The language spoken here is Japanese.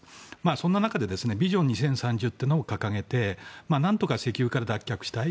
そんな中で、ビジョン２０３０というのを掲げて何とか石油から脱却したい。